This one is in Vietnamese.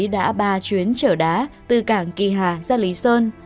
đã ba chuyến trở đá từ cảng kỳ hà ra lý sơn